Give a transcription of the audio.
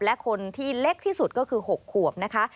และคนที่เล็กที่สุดก็คือ๖ขวบนะคะ